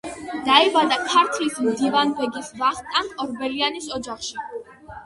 დაიბადა ქართლის მდივანბეგის ვახტანგ ორბელიანის ოჯახში.